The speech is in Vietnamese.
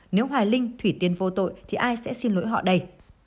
nếu hoài linh thủy tiên vô tội thì ai sẽ xin lỗi họ đây